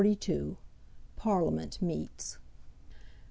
Parliament Meets.